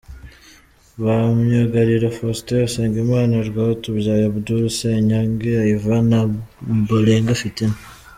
Ba Myugariro: Faustin Usengimana, Rwatubyaye Abdul, Senyange Ivan na Ombolenga Fitina.